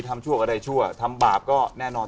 ทำชั่วก็ได้ชั่วทำบาปก็แน่นอน